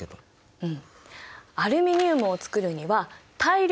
うん。